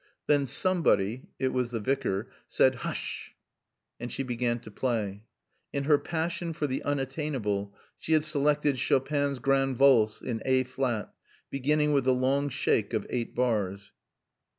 Then somebody (it was the Vicar) said, "Hush!" and she began to play. In her passion for the unattainable she had selected Chopin's Grande Valse in A Flat, beginning with the long shake of eight bars.